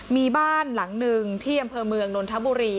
มีบ้านหลังหนึ่งที่อำเภอเมืองนนทบุรี